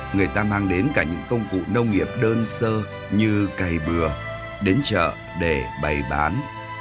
người ta mang đến cả những công cụ nông nghiệp đơn sơ như cày bừa đến chợ để bày bán